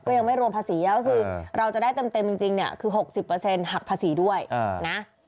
ก็ยังไม่รวมภาษีก็คือเราจะได้เต็มจริงเนี่ยคือ๖๐หักภาษีด้วยนะ